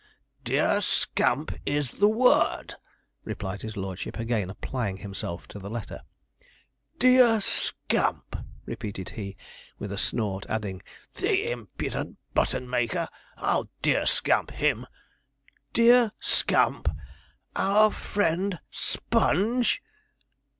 'Dear Scamp is the word,' replied his lordship, again applying himself to the letter. 'Dear Scamp,' repeated he, with a snort, adding, 'the impudent button maker! I'll dear Scamp him! "Dear Scamp, our friend Sponge!"